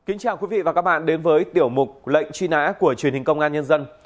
kính chào quý vị và các bạn đến với tiểu mục lệnh truy nã của truyền hình công an nhân dân